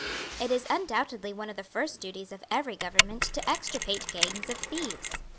It is undoubtedly one of the first duties of every government to extirpate gangs of thieves.